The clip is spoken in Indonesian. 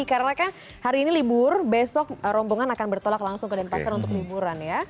karena kan hari ini libur besok rombongan akan bertolak langsung ke denpasar untuk liburan ya